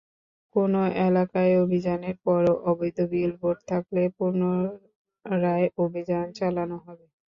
কোনো এলাকায় অভিযানের পরেও অবৈধ বিলবোর্ড থাকলে পুনরায় অভিযান চালানো হবে।